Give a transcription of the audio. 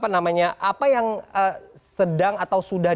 karena sebenarnya kan persoalan utamanya berikutnya prosesnya itu memang berasal dari